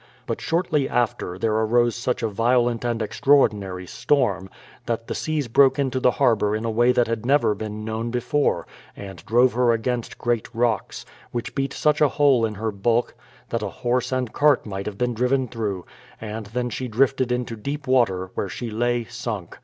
But shortly after there arose such a violent and extraordinary storm, that 133 134 BRADFORD'S HISTORY OF the seas broke into the harbour in a way that had never been known before, and drove her against great rocks, which beat such a hole in her bulk that a horse and cart might have been driven through, and then she drifted into deep water, where she lay sunk.